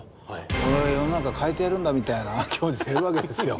俺が世の中変えてやるんだみたいな気持ちでいるわけですよ。